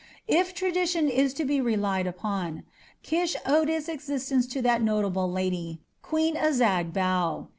If tradition is to be relied upon, Kish owed its existence to that notable lady, Queen Azag Bau.